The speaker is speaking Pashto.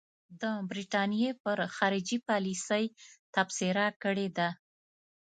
د برټانیې پر خارجي پالیسۍ تبصره کړې ده.